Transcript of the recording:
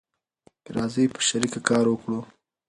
راځی په شریکه کار وکړو